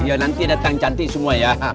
ya nanti datang cantik semua ya